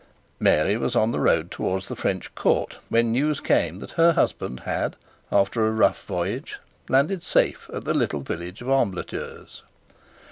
Mary was on the road towards the French court when news came that her husband had, after a rough voyage, landed safe at the little village of Ambleteuse.